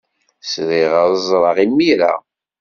Sriɣ ad ẓreɣ imir-a.